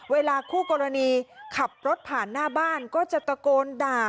เวลาคู่กรณีขับรถผ่านหน้าบ้านก็จะตะโกนด่า